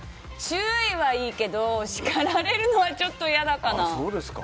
注意はいいけど、叱られるのはちょっと嫌かな。